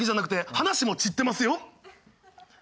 話も散ってます。